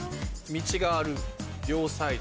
道がある両サイド。